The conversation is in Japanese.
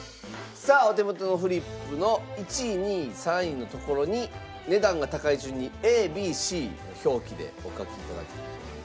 さあお手元のフリップの１位２位３位のところに値段が高い順にＡＢＣの表記でお書き頂きたいと思います。